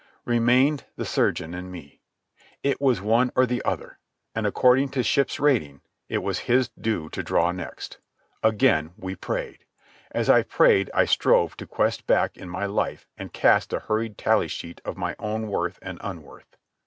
Remained the surgeon and me. It was one or the other, and, according to ship's rating, it was his due to draw next. Again we prayed. As I prayed I strove to quest back in my life and cast a hurried tally sheet of my own worth and unworth.